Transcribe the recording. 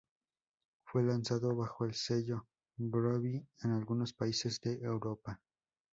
Fue lanzado bajo el sello Groovy en algunos países de Europa.